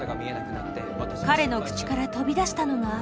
彼の口から飛び出したのが。